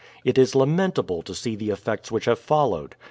It is lamentable to see the effects which have followed.